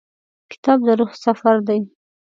کتاب د روح سفر دی.